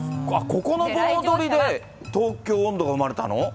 ここの盆踊りで、東京音頭が生まれたの？